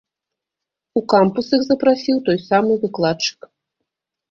У кампус іх запрасіў той самы выкладчык.